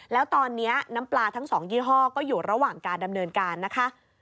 แล้วตอนนี้น้ำปลาทั้ง๒ยี่ห้อก็อยู่ระหว่างการดำเนินการนะคะ